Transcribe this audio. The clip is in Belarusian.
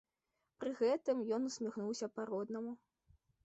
Пры гэтым ён усміхнуўся па-роднаму.